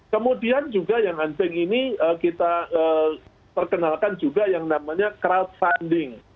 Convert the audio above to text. kemudian juga yang hunting ini kita perkenalkan juga yang namanya crowdfunding